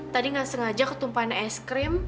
tadi nggak sengaja ketumpahan es krim